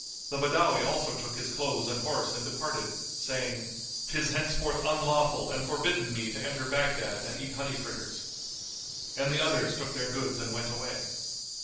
The Badawi also took his clothes and horse and departed, saying, "'Tis henceforth unlawful and forbidden me to enter Baghdad and eat honey fritters." And the others took their goods and went away.